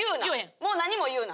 もう何も言うな。